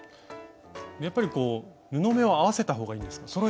やっぱり布目を合わせた方がいいですか？